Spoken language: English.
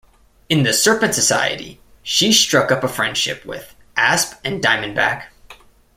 In the Serpent Society she struck up a friendship with Asp and Diamondback.